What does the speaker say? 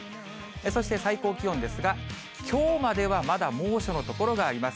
そして最高気温ですが、きょうまではまだ猛暑の所があります。